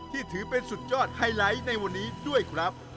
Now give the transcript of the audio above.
ที่ถือเป็นสุดยอดไฮไลท์ในวันนี้ด้วยครับ